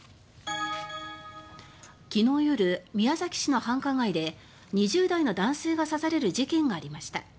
昨日夜、宮崎市の繁華街で２０代の男性が刺される事件がありました。